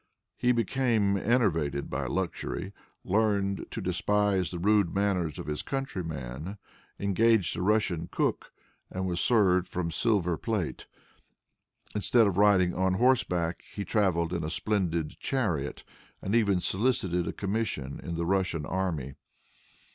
He became enervated by luxury, learned to despise the rude manners of his countrymen, engaged a Russian cook, and was served from silver plate. Instead of riding on horseback he traveled in a splendid chariot, and even solicited a commission in the Russian army.